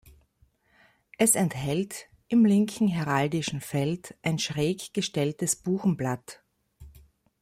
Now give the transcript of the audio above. Es enthält im linken heraldischen Feld ein schräg gestelltes Buchenblatt.